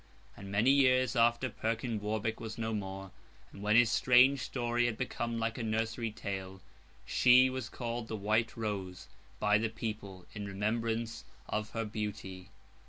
And many years after Perkin Warbeck was no more, and when his strange story had become like a nursery tale, she was called the White Rose, by the people, in remembrance of her beauty.